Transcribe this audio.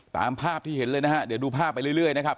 ตามภาพที่เห็นเลยนะฮะเดี๋ยวดูภาพไปเรื่อยนะครับ